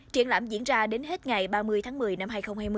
triển lãm diễn ra đến hết ngày ba mươi tháng một mươi năm hai nghìn hai mươi